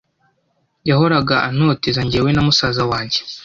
yahoraga antoteza njyewe na musaza wanjye